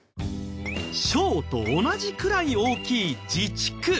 省と同じくらい大きい自治区。